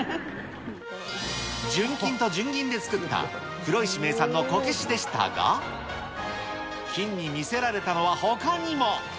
純金と純銀で作った黒石名産のこけしでしたが、金に見せられたのはほかにも。